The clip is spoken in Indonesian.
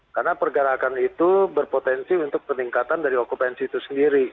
karena pergerakan itu berpotensi untuk peningkatan dari okupansi itu sendiri